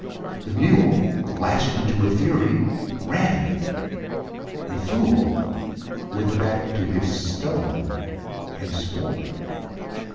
The mule, lashed into a fury, ran; The fool went back to his stone and swore.